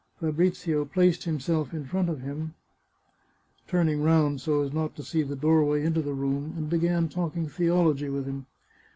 Fabrizio placed himself in front of him, turning round so as not to see the doorway into the room, and began talking theology with him.